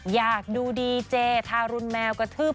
อยากดูดีเจทารุณแมวกระทืบ